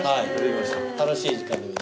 楽しい時間でした。